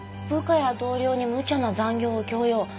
「部下や同僚に無茶な残業を強要！」